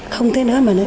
không thế nữa mà đấy